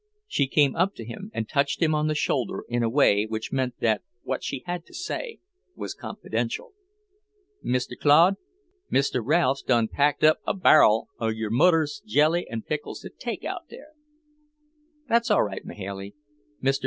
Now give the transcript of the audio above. She came up to him and touched him on the shoulder in a way which meant that what she had to say was confidential. "Mr. Claude, Mr. Ralph's done packed up a barr'l of your mudder's jelly an' pickles to take out there." "That's all right, Mahailey. Mr.